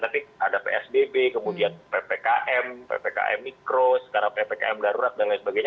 tapi ada psbb kemudian ppkm ppkm mikro sekarang ppkm darurat dan lain sebagainya